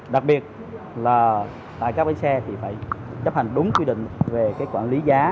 đặc biệt là tại các bến xe thì phải chấp hành đúng quy định về cái quản lý giá